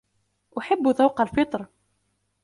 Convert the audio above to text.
أحبّ ذوق الفطر.